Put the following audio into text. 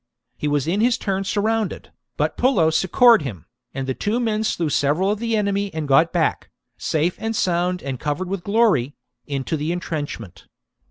He was in his turn surrounded, but Pullo succoured him, and the two men slew several of the enemy and got back, safe and sound and covered with glory, into the entrenchment.